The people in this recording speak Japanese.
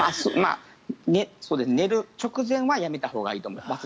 寝る直前はやめたほうがいいと思います。